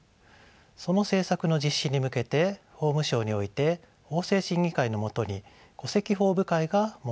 その政策の実施に向けて法務省において法制審議会の下に戸籍法部会が設けられました。